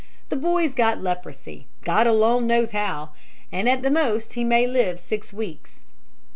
The boy's got leprosy God alone knows how! At the most he may live six weeks.'